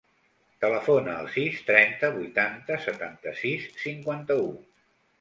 Telefona al sis, trenta, vuitanta, setanta-sis, cinquanta-u.